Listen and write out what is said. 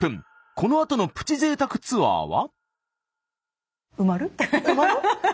このあとのプチ贅沢ツアーは？